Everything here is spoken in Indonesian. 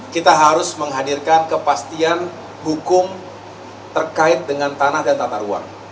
kita harus menghadirkan kepastian hukum terkait dengan tanah dan tata ruang